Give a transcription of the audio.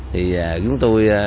thì chúng tôi